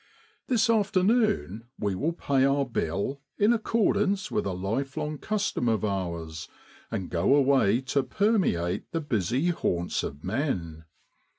This afternoon we will pay our bill, in accordance with a life long custom of ours, and go away to permeate the busy haunts of men.